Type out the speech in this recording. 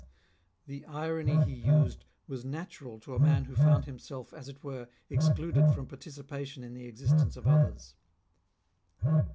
The irony he used was natural to a man who found himself as it were excluded from participation in the existence of others.